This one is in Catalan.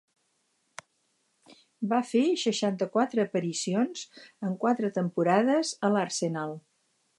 Va fer seixanta-quatre aparicions en quatre temporades a l'Arsenal.